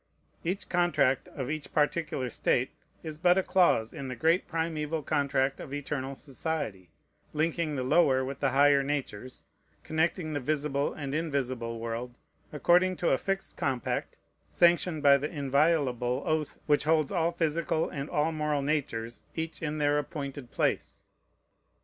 Each contract of each particular state is but a clause in the great primeval contract of eternal society, linking the lower with the higher natures, connecting the visible and invisible world, according to a fixed compact sanctioned by the inviolable oath which holds all physical and all moral natures each in their appointed place.